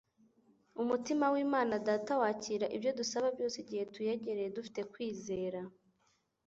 Umutima w'Imana Data wakira ibyo dusaba byose igihe tuyegereye dufite kwizera.